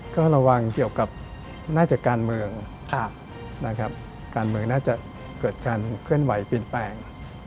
ก็ระวังเกี่ยวกับน่าจะการเมืองนะครับการเมืองน่าจะเกิดการเคลื่อนไหวเปลี่ยนแปลง